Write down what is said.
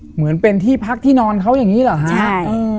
เหมือนเป็นที่พักที่นอนเขาอย่างนี้เหรอฮะใช่